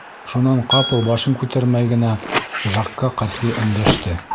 Шунан ҡапыл башын күтәрмәй генә Жакҡа ҡәтғи өндәште: